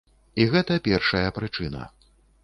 І гэта першая прычына.